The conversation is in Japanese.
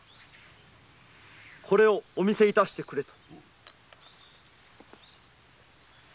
これをお見せしてくれと。